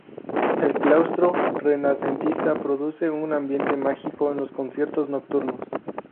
El Claustro renacentista produce un ambiente mágico en los conciertos nocturnos.